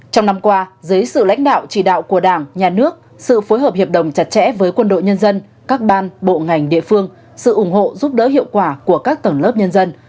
trong năm qua dưới sự lãnh đạo chỉ đạo của đảng nhà nước sự phối hợp hiệp đồng chặt chẽ với quân đội nhân dân các ban bộ ngành địa phương sự ủng hộ giúp đỡ hiệu quả của các tầng lớp nhân dân